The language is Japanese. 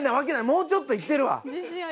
もうちょっといってるわ。